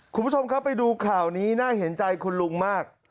คุณผู้ชมครับไปดูข่าวนี้น่าเห็นใจคุณลุงมาก